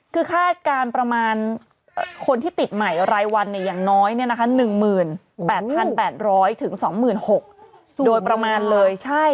คือค่าการประมาณคนที่ติดใหม่รายวันเนี่ยอย่างน้อยเนี่ยนะคะ๑๘๘๐๐๒๖๐๐๐โดยประมาณเลย